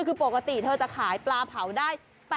คือปกติเธอจะขายปลาเผาได้